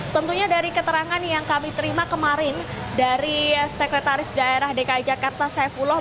tentunya dari keterangan yang kami terima kemarin dari sekretaris daerah dki jakarta saifullah